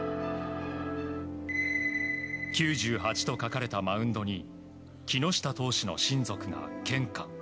９８と書かれたマウンドに木下投手の親族が献花。